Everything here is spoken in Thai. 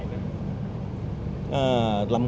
หมอบรรยาหมอบรรยา